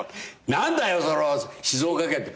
「何だよその静岡県って」